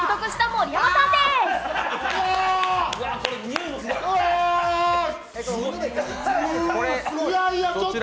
うわっ、いやいやちょっと！